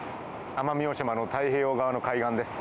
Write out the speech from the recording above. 奄美大島の太平洋側の海岸です。